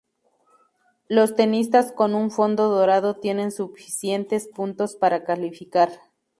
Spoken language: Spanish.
Los tenistas con un fondo dorado tienen suficientes puntos para calificar.